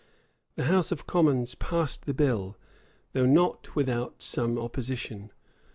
The house of commons passed the bill, though not without some opposition.